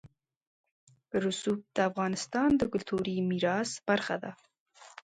رسوب د افغانستان د کلتوري میراث برخه ده.